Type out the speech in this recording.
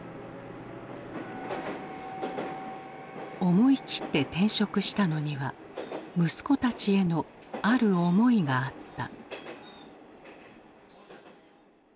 思い切って転職したのには息子たちへのある思いがあった。